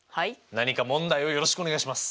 何か問題をよろしくお願いします！